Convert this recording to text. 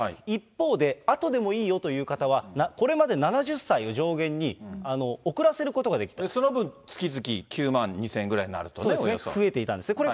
一方で、あとでもいいよという方は、これまで７０歳を上限に、遅らせるこその分、月々９万２０００円くらいになると、およそ。増えていたんですね。